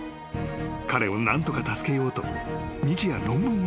［彼を何とか助けようと日夜論文を調べていた］